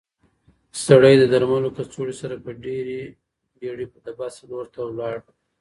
سړی د درملو له کڅوړې سره په ډېرې بیړې د بس لور ته لاړ.